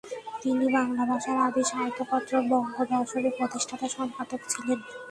তিনি বাংলা ভাষার আদি সাহিত্যপত্র বঙ্গদর্শনের প্রতিষ্ঠাতা সম্পাদক ছিলেন।